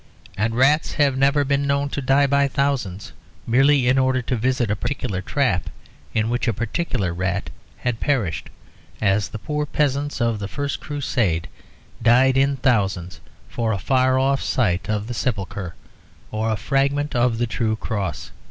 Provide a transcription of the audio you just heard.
And rats have never been known to die by thousands merely in order to visit a particular trap in which a particular rat had perished, as the poor peasants of the First Crusade died in thousands for a far off sight of the Sepulchre or a fragment of the true cross.